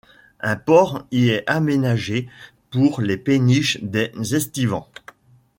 Un port y est aménagé pour les péniches des estivants.